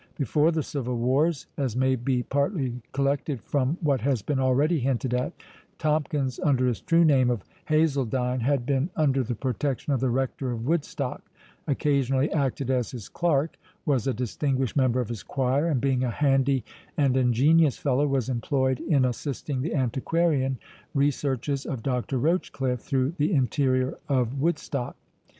Before the Civil Wars, as may be partly collected from what has been already hinted at, Tomkins, under his true name of Hazeldine, had been under the protection of the Rector of Woodstock, occasionally acted as his clerk, was a distinguished member of his choir, and, being a handy and ingenious fellow, was employed in assisting the antiquarian researches of Dr. Rochecliffe through the interior of Woodstock.